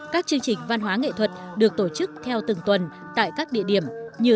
các chương trình văn hóa nghệ thuật được tổ chức theo từng tuần tại các địa điểm như